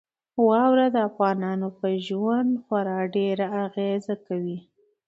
واوره د افغانانو په ژوند خورا ډېره اغېزه کوي.